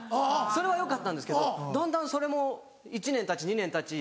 それはよかったんですけどだんだんそれも１年たち２年たち